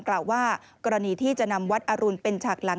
กล่าวว่ากรณีที่จะนำวัดอรุณเป็นฉากหลัง